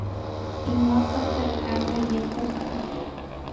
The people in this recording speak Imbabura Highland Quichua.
Imapata kanka yakuka